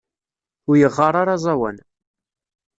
Ur yeɣɣar ara aẓawan.